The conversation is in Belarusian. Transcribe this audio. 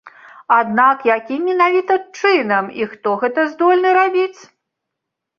Аднак якім менавіта чынам і хто гэта здольны рабіць?